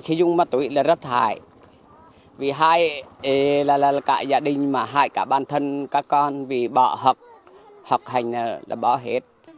sử dụng ma túy là rất hại vì hại cả gia đình mà hại cả bản thân các con vì bỏ học học hành là bỏ hết